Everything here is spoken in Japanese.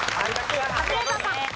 カズレーザーさん。